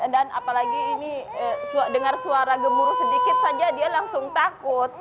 dan apalagi ini dengar suara gemuruh sedikit saja dia langsung takut